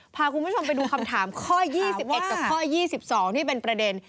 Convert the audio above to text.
พาคุณผู้ชมไปดูคำถามข้อ๒๑กับข้อ๒๒ที่เป็นประเด็น